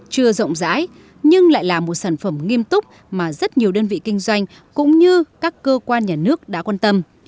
chưa rộng rãi nhưng lại là một sản phẩm nghiêm túc mà rất nhiều đơn vị kinh doanh cũng như các cơ quan nhà nước đã quan tâm